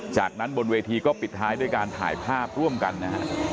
จากนั้นบนเวทีก็ปิดท้ายด้วยการถ่ายภาพร่วมกันนะฮะ